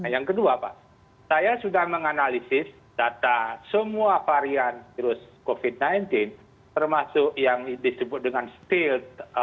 yang kedua pak saya sudah menganalisis data semua varian virus covid sembilan belas termasuk yang disebut dengan stild